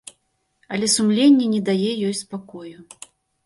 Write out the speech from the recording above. Але сумленне не дае ёй спакою.